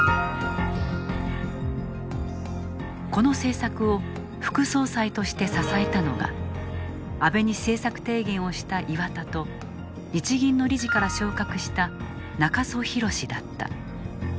この政策を副総裁として支えたのが安倍に政策提言をした岩田と日銀の理事から昇格した中曽宏だった。